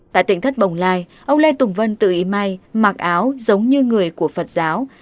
tại tỉnh thất bồng lai ông lê tùng vân tự ý may mặc áo giống như người của phật giáo